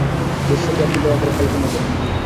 দৃশ্যটি আপনি দয়া করে কল্পনা করুন।